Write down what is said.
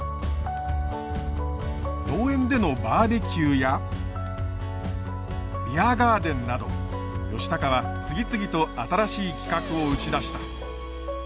農園でのバーベキューやビアガーデンなど栄峰は次々と新しい企画を打ち出した。